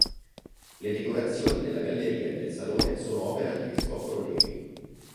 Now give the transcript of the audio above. Le decorazioni della galleria e del salone sono opera di Cristoforo Negri.